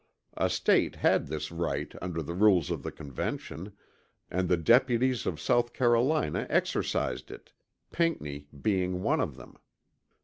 A State had this right under the Rules of the Convention, and the Deputies of South Carolina exercised it, Pinckney being one of them.